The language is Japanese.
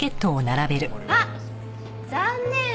あっ残念。